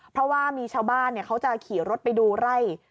เพราะว่ามีชาวบ้านเขาจะขี่รถไปดูไล่